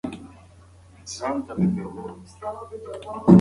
روسي مامور د مجسمې په ليدو خپل تندی تريو کړ.